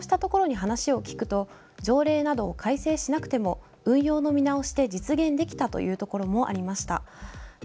そうしたところに話を聞くと条例などを改正しなくても運用の見直しで実現できたというところもありました。